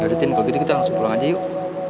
yaudah sindi kalau gitu kita langsung pulang aja yuk